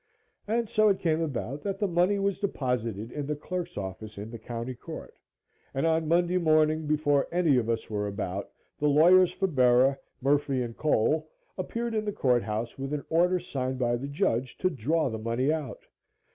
And so it came about that the money was deposited in the clerk's office in the county court, and on Monday morning, before any of us were about, the lawyers for Bera, Murphy & Cole, appeared in the courthouse with an order signed by the judge to draw the money out.